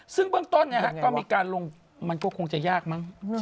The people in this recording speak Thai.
ซึ่งเบื้องต้นก็มีการลงมันก็คงจะยากมั้ง